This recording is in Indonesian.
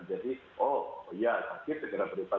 jadi oh ya sakit segera berubah